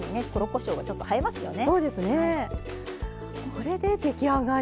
これで出来上がり。